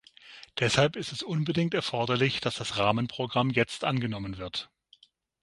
Deshalb ist es unbedingt erforderlich, dass das Rahmenprogramm jetzt angenommen wird.